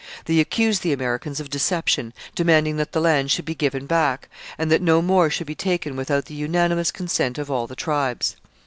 They accused the Americans of deception, demanding that the land should be given back, and that no more should be taken without the unanimous consent of all the tribes.